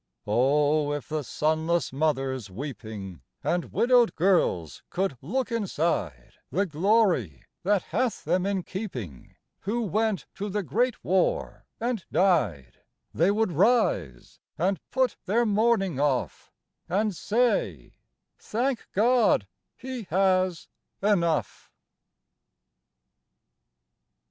Oh, if the sonless mothers weeping, And widowed girls could look inside The glory that hath them in keeping Who went to the Great War and died, They would rise and put their mourning off, And say :" Thank God, he has enough